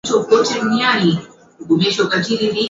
akifumania nyavu mara thelathini na moja